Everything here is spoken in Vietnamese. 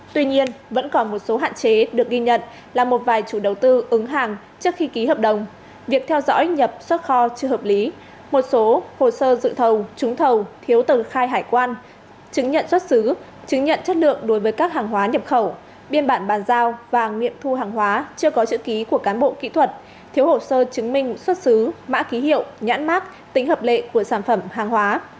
tuy nhiên vẫn còn một số hạn chế được ghi nhận là một vài chủ đầu tư ứng hàng trước khi ký hợp đồng việc theo dõi nhập xuất kho chưa hợp lý một số hồ sơ dự thầu trúng thầu thiếu từ khai hải quan chứng nhận xuất xứ chứng nhận chất lượng đối với các hàng hóa nhập khẩu biên bản bàn giao và miệng thu hàng hóa chưa có chữ ký của cán bộ kỹ thuật thiếu hồ sơ chứng minh xuất xứ mã ký hiệu nhãn mát tính hợp lệ của sản phẩm hàng hóa